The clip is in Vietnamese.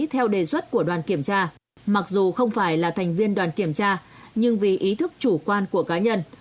theo đề xuất của đoàn kiểm tra mặc dù không phải là thành viên đoàn kiểm tra nhưng vì ý thức chủ quan của cá nhân